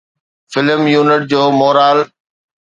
film unit جو moral